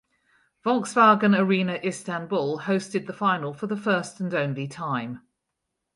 Volkswagen Arena Istanbul hosted the final for the first and only time.